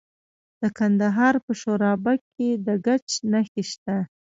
د کندهار په شورابک کې د ګچ نښې شته.